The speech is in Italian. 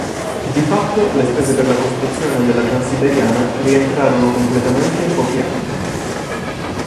Di fatto le spese per costruzione della Transiberiana rientrarono completamente in pochi anni.